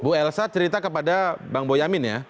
bu elsa cerita kepada bang boyamin ya